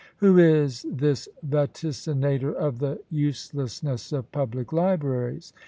Who is this vaticinator of the uselessness of public libraries?